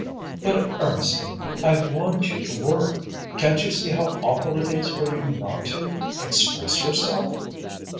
"But, Ernestine, I want you to work! Can't you see how awful it is for you not to express yourself?"